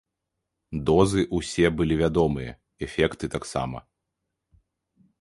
Дозы ўсе былі вядомыя, эфекты таксама.